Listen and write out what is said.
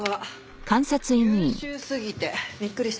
優秀すぎてびっくりしたでしょ。